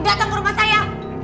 datang ke rumah saya